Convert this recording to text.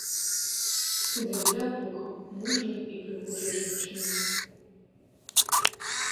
Зямля пухам мужнай і прыгожай жанчыне!